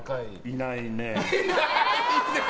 いないね。